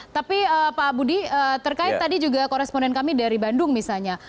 tapi pak budi terkait tadi juga koresponden kami dari bandung misalnya